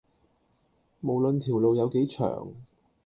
無論條路有幾長